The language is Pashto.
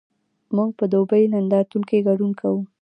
موږ په دوبۍ نندارتون کې ګډون کوو؟